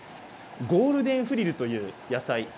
ゴールデンフリルという野菜です。